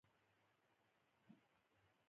ښوونځی کې رښتیا ویل زده کېږي